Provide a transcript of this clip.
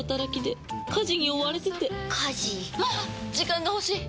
時間が欲しい！